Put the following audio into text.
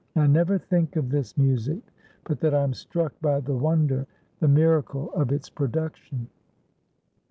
I never think of this music but that I am struck by the wonder, the miracle of its production.